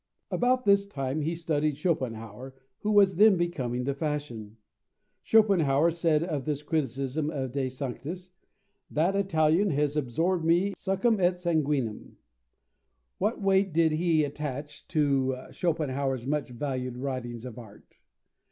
About this time he studied Schopenhauer, who was then becoming the fashion. Schopenhauer said of this criticism of De Sanctis: "That Italian has absorbed me in succum et sanguinem." What weight did he attach to Schopenhauer's much vaunted writings on art?